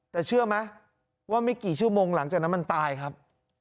แต่เชื่อไหมว่าไม่กี่ชั่วโมงหลังจากนั้นมันตายครับ